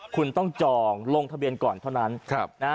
คุณต้องจองลงทะเบียนก่อนเท่านั้น